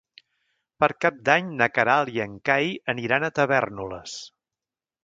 Per Cap d'Any na Queralt i en Cai aniran a Tavèrnoles.